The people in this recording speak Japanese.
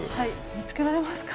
見つけられますか？